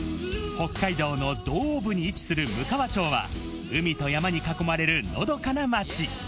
北海道の道央部に位置するむかわ町は、海と山に囲まれるのどかな町。